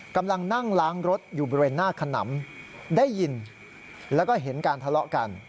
กำลังนั่งล้างรถอยู่บริเวณหน้าขนำได้ยินแล้วก็เห็นการทะเลาะกัน